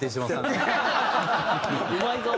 うまいぞ。